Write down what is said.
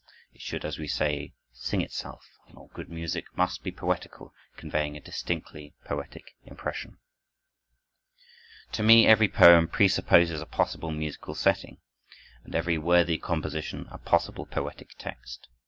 It should, as we say, sing itself; and all good music must be poetical, conveying a distinctly poetic impression. To me every poem presupposes a possible musical setting, and every worthy composition, a possible poetic text.